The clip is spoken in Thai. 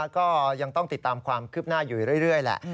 ก็ยังต้องติดตามความคืบหน้าอยู่เรื่อยแหละ